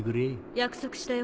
約束したよ。